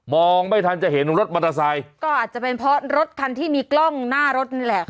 ไม่ทันจะเห็นรถมอเตอร์ไซค์ก็อาจจะเป็นเพราะรถคันที่มีกล้องหน้ารถนั่นแหละ